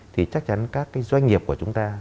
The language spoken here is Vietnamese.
thì chắc chắn các cái doanh nghiệp của chúng ta